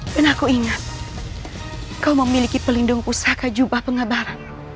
dan aku ingat kau memiliki pelindung pusaka jubah pengabaran